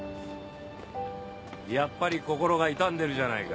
やっぱり心が痛んでるじゃないか。